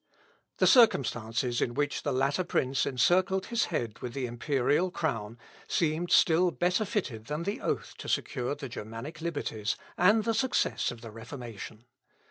The circumstances in which the latter prince encircled his head with the imperial crown seemed still better fitted than the oath to secure the Germanic liberties, and the success of the Reformation.